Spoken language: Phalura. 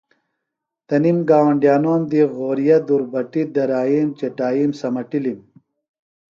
تنِم گاونڈیانوم دی غورِیہ، دُربٹیۡ درائِیم، چٹائِیم سمٹِلم۔